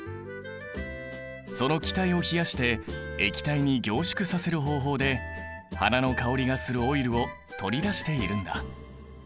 その気体を冷やして液体に凝縮させる方法で花の香りがするオイルを取り出しているんだ。